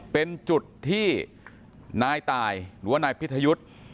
เป็นจุดที่นายตายหรือว่านายพิทยุทธ์